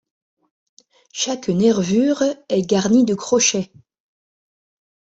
Chaque nervure est garnie de crochets.